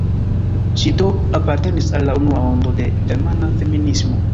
Ŝi do apartenis al la unua ondo de germana feminismo.